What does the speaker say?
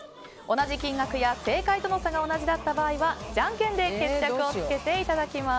同じ金額や正解との差が同じだった場合はじゃんけんで決着をつけていただきます。